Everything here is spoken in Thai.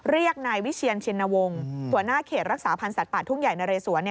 เรียกนายวิเชียนชินวงศ์หัวหน้าเขตรักษาพันธ์สัตว์ป่าทุ่งใหญ่นะเรสวนเนี่ย